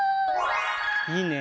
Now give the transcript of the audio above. いいね